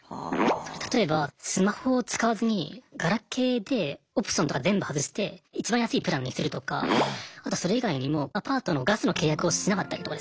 例えばスマホを使わずにガラケーでオプションとか全部外していちばん安いプランにするとかあとそれ以外にもアパートのガスの契約をしなかったりとかですね。